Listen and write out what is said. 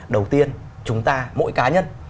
đầu tiên chúng ta mỗi cá nhân